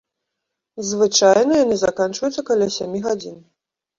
Звычайна яны заканчваюцца каля сямі гадзін.